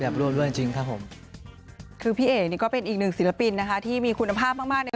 อยากไปร่วมด้วยจริงครับผม